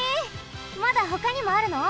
まだほかにもあるの！？